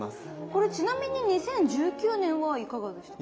これちなみに２０１９年はいかがでしたか？